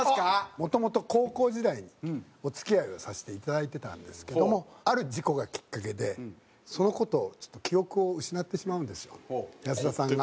もともと高校時代にお付き合いをさせていただいてたんですけどもある事故がきっかけでその事をちょっと記憶を失ってしまうんですよ安田さんが。